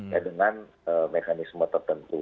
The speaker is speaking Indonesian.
ya dengan mekanisme tertentu